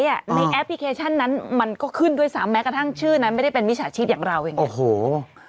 ในแอปพลิเคชันนั้นมันก็ขึ้นด้วยซ้ำแม้กระทั่งชื่อนั้นไม่ได้เป็นมิจฉาชีพอย่างเราเองโอ้โห